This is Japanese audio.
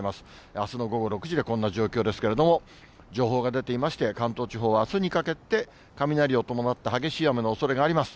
あすの午後６時でこんな状況ですけれども、情報が出ていまして、関東地方はあすにかけて、雷を伴った激しい雨のおそれがあります。